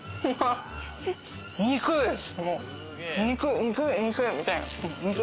肉、肉、肉みたいな！